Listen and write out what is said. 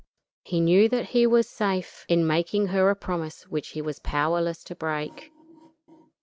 He knew that he was safe in making her a promise which he was powerless to break.